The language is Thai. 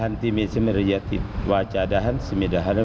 นี่ฮะนี่ฮะ